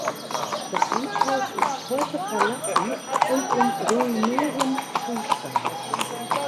Das Gutshaus ist heute verlassen und in ruinösem Zustand.